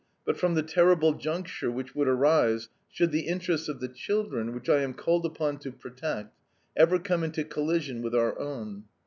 but from the terrible juncture which would arise should the interests of the children, which I am called upon to protect, ever come into collision with our own.